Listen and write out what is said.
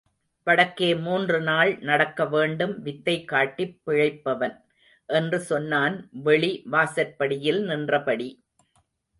வடக்கே... மூன்று நாள் நடக்க வேண்டும்... வித்தை காட்டிப் பிழைப்பவன்!... என்று சொன்னான், வெளி வாசற்படியில் நின்றபடி.